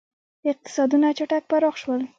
• اقتصادونه چټک پراخ شول.